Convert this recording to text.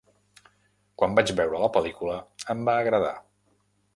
Quan vaig veure la pel·lícula, em va agradar.